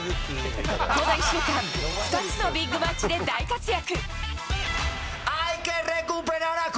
この１週間、２つのビッグマッチで大活躍。